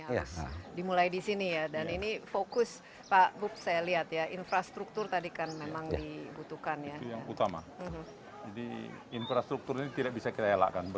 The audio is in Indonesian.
harus dimulai disini ya dan ini fokus pak buksel lihat ya infrastruktur tadi kan memang dibutuhkan ya